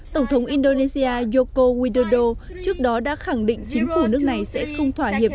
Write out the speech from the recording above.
tổng thống indonesia yoko widodo trước đó đã khẳng định chính phủ nước này sẽ không thỏa hiệp